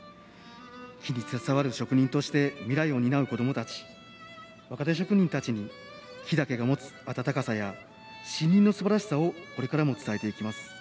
木に携わる職人として未来を担う子どもたち若手職人たちに木だけが持つ温かさや森林のすばらしさをこれからも伝えていきます。